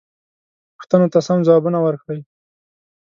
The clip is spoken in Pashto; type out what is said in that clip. پوښتنو ته سم ځوابونه ورکړئ.